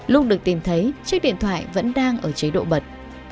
lúc được tìm thấy chiếc điện thoại vẫn đang ở chế độ bật